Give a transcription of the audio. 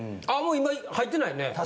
あもう今入ってないね。